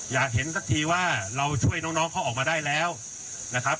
อยากเห็นสักทีว่าเราช่วยน้องเขาออกมาได้แล้วนะครับ